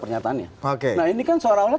pernyataannya oke nah ini kan seolah olah